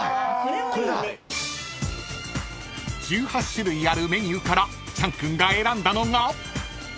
［１８種類あるメニューからチャン君が選んだのが］